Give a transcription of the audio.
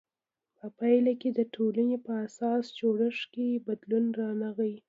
په پایله کې د ټولنې په اساسي جوړښت کې بدلون رانغی.